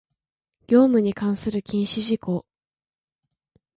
業務に関する禁止事項